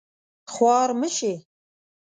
خوار مه شې